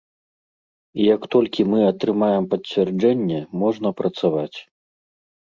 І як толькі мы атрымаем пацвярджэнне, можна працаваць.